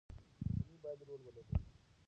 رسنۍ باید رول ولوبوي.